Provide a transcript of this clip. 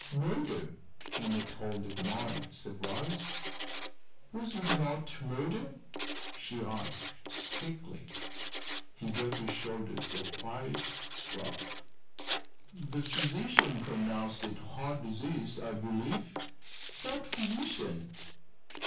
"Murder?" in a tone of mild surprise. "Was it not murder?" she asked, quickly. He gave his shoulders a quiet shrug. "The physician pronounced it heart disease, I believe." "What physician?"